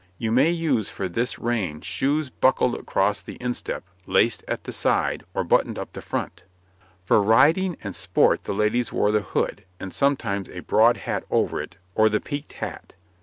You may use for this reign shoes buckled across the instep, laced at the side, or buttoned up the front. For riding and sport the ladies wore the hood, and sometimes a broad round hat over it, or the peaked hat.